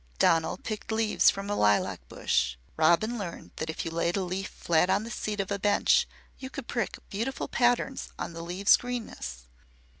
Donal picked leaves from a lilac bush. Robin learned that if you laid a leaf flat on the seat of a bench you could prick beautiful patterns on the leaf's greenness.